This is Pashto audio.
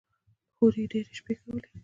هورې يې ډېرې شپې کولې.